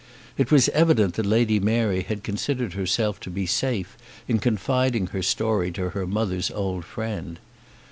It was evident that Lady Mary had considered herself to be safe in confiding her story to her mother's old friend.